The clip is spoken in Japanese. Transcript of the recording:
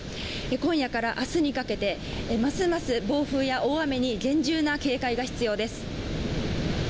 今夜から明日にかけてますます暴風や大雨に厳重な警戒が必要です。